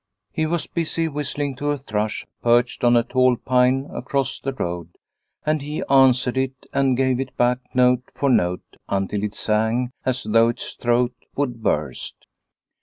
He was busy whistling to a thrush perched on a tall pine across the road, and he answered it and gave it back note for note until it sang as 242 The Rest Stone 243 though its throat would burst.